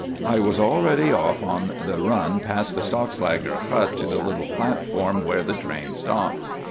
] I was already off on the run past the Stockslager hut to the little platform where the train stopped.